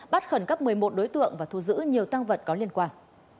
bắt khẩn cấp một mươi một đối tượng và thu giữ nhiều tăng vật có liên quan